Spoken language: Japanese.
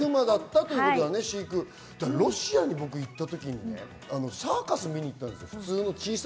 ロシアに行ったとき、サーカスを見に行ったんです。